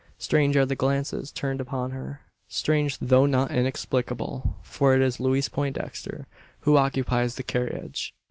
Strange are the glances turned upon her; strange, though not inexplicable: for it is Louise Poindexter who occupies the carriage.